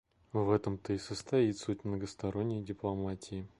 В этом-то и состоит суть многосторонней дипломатии.